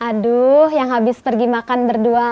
aduh yang habis pergi makan berdua